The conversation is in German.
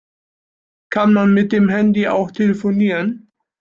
Kann man mit dem Handy auch telefonieren?